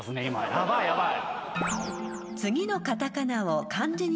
ヤバいヤバい。